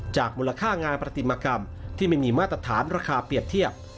มูลค่างานปฏิมากรรมที่ไม่มีมาตรฐานราคาเปรียบเทียบ